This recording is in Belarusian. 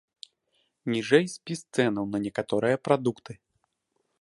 Ніжэй спіс цэнаў на некаторыя прадукты.